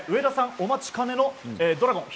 お待ちかねのドラゴン弘